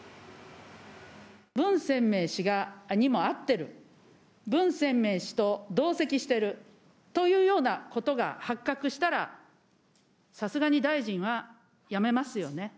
文鮮明氏にも会ってる、文鮮明氏と同席してるというようなことが発覚したら、さすがに大臣は、辞めますよね。